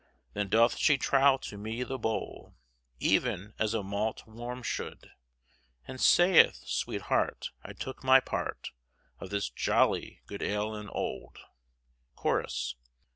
Then doth shee trowle to me the bowle, Even as a mault worme sholde, And sayth, sweete harte, I took my parte Of this jolly good ale and olde. Chorus.